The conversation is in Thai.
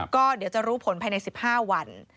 ก็เดี๋ยวจะรู้ผลภายใน๑๕วัน